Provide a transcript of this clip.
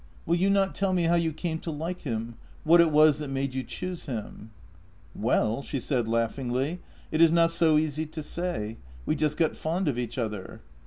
Will you not tell me how you came to like him — wdiat it was that made you choose him ?"" Well," she said laughingly —" it is not so easy to say — we just got fond of each other."